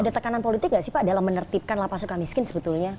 ada tekanan politik nggak sih pak dalam menertibkan lapas suka miskin sebetulnya